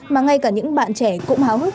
mà ngay cả những bạn trẻ cũng háo hức